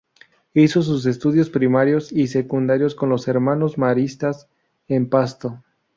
Hizo sus estudios primarios y secundarios con los Hermanos Maristas en Pasto.